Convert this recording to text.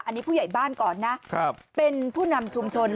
อันนี้ผู้ใหญ่บ้านก่อนนะเป็นผู้นำชุมชน